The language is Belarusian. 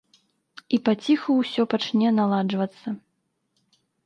І паціху ўсё пачне наладжвацца.